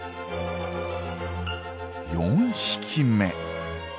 ４匹目。